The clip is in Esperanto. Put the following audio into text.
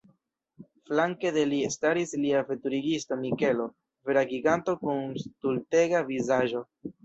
Flanke de li staris lia veturigisto Mikelo, vera giganto kun stultega vizaĝo.